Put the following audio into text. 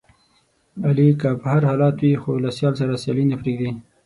علي که په هر حالت وي، خو له سیال سره سیالي نه پرېږدي.